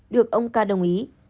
được ông ca đồng ý